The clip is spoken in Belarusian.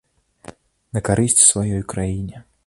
На карысць сваёй краіне.